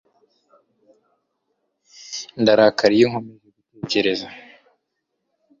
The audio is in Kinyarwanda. Ndarakara iyo nkomeje gutegereza.